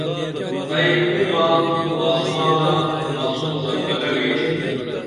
ائی بُومہ کُو آسمانہ کُو مسوں زنگلہ ویچِم